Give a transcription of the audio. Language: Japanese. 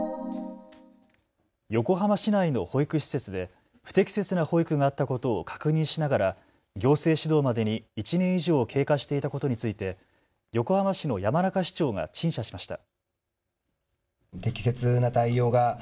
横浜市内の保育施設で不適切な保育があったことを確認しながら行政指導までに１年以上経過していたことについて横浜市の山中市長が陳謝しました。